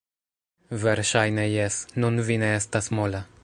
Verŝajne jes... nun vi ne estas mola